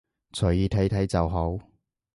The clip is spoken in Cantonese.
隨意睇睇就好